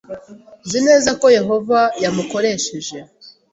Nzi neza ko Yehova yamukoresheje